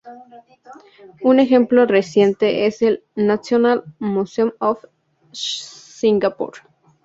Un ejemplo reciente es el National Museum of Singapore.